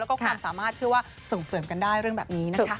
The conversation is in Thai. แล้วก็ความสามารถเชื่อว่าส่งเสริมกันได้เรื่องแบบนี้นะคะ